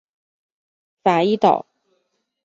法伊岛。